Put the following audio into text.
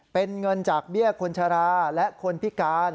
เป็นเงินจากเบี้ยคนชราและคนพิการ